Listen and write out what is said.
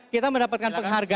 kita mendapatkan penghargaan